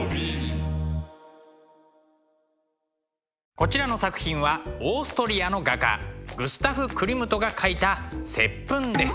こちらの作品はオーストリアの画家グスタフ・クリムトが描いた「接吻」です。